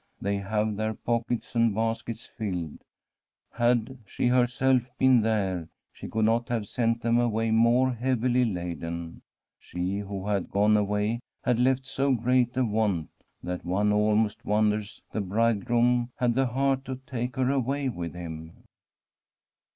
They have their pockets and baskets filled ; had she herself been there, she could not have sent them away more heavily laden. She who had gone away had left so great a want that one almost wonders the Bridegroom had the heart to take her away with him.